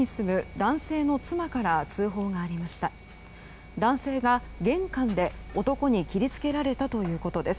男性が玄関で、男に切りつけられたということです。